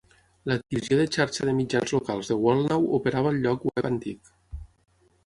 La divisió de Xarxa de Mitjans Locals de WorldNow operava el lloc web antic.